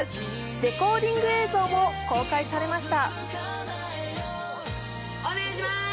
レコーディング映像を公開しました。